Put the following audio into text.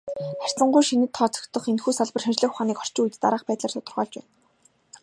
Харьцангуй шинэд тооцогдох энэхүү салбар шинжлэх ухааныг орчин үед дараах байдлаар тодорхойлж байна.